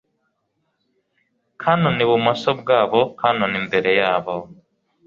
Cannon ibumoso bwaboCannon imbere yabo